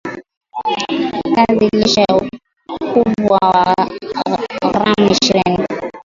Kiazi lishe ukubwa wa gram ishirini